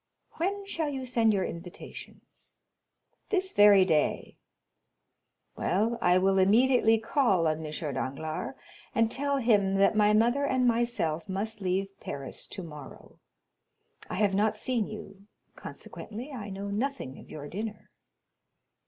"When shall you send your invitations?" "This very day." "Well, I will immediately call on M. Danglars, and tell him that my mother and myself must leave Paris tomorrow. I have not seen you, consequently I know nothing of your dinner."